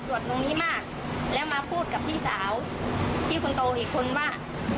จวดตรงนี้มากแล้วมาพูดกับพี่สาวที่คุณโตหิตคุณว่า